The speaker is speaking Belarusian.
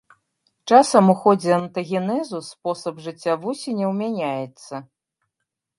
Часам у ходзе антагенезу спосаб жыцця вусеняў мяняецца.